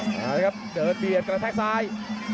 ครับเดินเบียดกระแทกซ้าย